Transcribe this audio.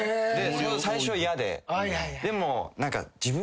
最初嫌で。